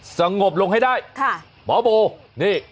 สงบลงให้ได้ค่ะหมอโบนี่